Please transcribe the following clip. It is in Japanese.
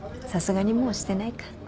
さすがにもうしてないか。